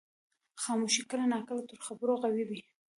خاموشي کله ناکله تر خبرو قوي وي.